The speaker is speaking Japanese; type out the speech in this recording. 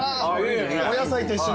・お野菜と一緒に。